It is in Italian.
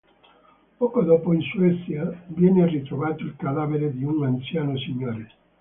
Poco dopo in Svezia viene ritrovato il cadavere di un anziano signore.